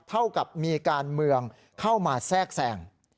เท่ากับมีการเมืองเข้ามาแทรกแสง